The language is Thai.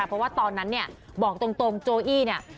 เพราะว่าตอนนั้นเนี่ยบอกตรงโจอี้เนี่ย